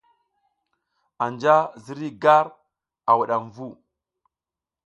Anja ziriy gar a wudam vu.